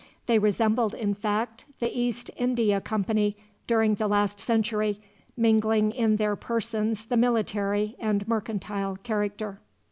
They resembled, in fact, the East India Company during the last century, mingling in their persons the military and mercantile character.